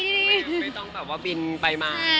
ไม่ต้องบินไปมา